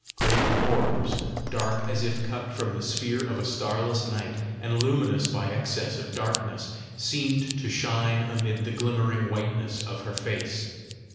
Great orbs, dark as if cut from the sphere of a starless night, and luminous by excess of darkness, seemed to shine amid the glimmering whiteness of her face.